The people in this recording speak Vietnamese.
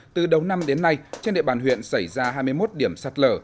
từ đầu năm đến nay trên địa bàn huyện xảy ra hai mươi một điểm sạt lở